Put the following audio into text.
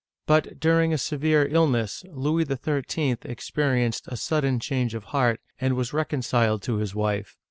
But during a severe illness, Louis XIII. experienced a sudden change of heart, and was reconciled to his wife.